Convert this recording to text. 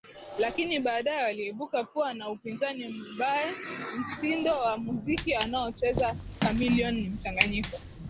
lakini baadaye waliibuka kuwa na upinzani mbaya Mtindo wa muziki anaocheza Chameleone ni mchanganyiko